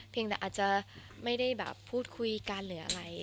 เพียงแต่อาจจะไม่ได้พูดคุยการเหลืออะไร